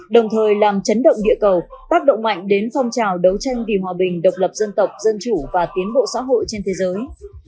đồng thời làm chấn động địa cầu tác động mạnh đến phong trào đấu tranh vì hòa bình độc lập dân tộc dân chủ và tiến bộ xã hội trên thế giới